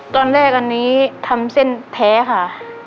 ตอนแรกอันนี้ทำเส้นแท้ค่ะ